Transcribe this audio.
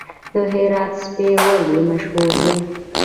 د هرات سپي ولې مشهور دي؟